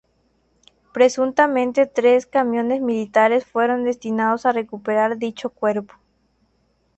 Presuntamente tres camiones militares fueron destinados a recuperar dicho cuerpo.